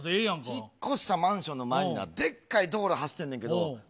引っ越したマンションの前にな、でっかい道路走ってんねんけ